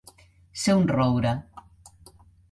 Ser un roure.